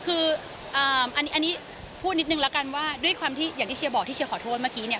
คืออันนี้พูดนิดนึงแล้วกันว่าด้วยความที่อย่างที่เชียร์บอกที่เชียร์ขอโทษเมื่อกี้เนี่ย